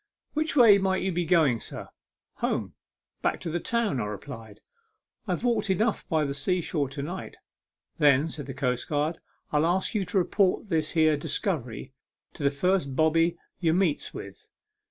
" Which way might you be going, sir ?"" Home back to the town," I replied ;" I've walked enough by the sea shore to night." " Then," said the coastguard, " I'll ask you to report this here discovery to the first bobby ye meets with.